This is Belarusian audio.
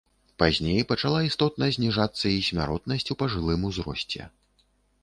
Пазней пачала істотна зніжацца і смяротнасць у пажылым узросце.